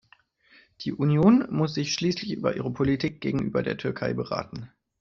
Die Union muss sich schließlich über ihre Politik gegenüber der Türkei beraten.